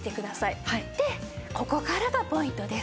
でここからがポイントです。